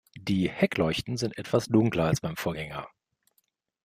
Die Heckleuchten sind etwas dunkler als beim Vorgänger.